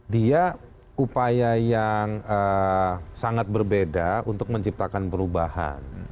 dia upaya yang sangat berbeda untuk menciptakan perubahan